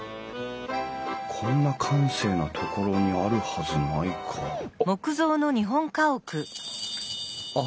こんな閑静な所にあるはずないかあっ。